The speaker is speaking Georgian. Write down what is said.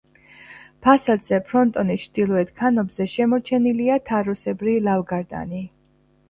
ფასადზე ფრონტონის ჩრდილოეთ ქანობზე შემორჩენილია თაროსებრი ლავგარდანი.